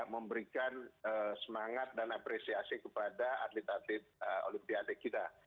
memberikan semangat dan apresiasi kepada atlet atlet olimpiade kita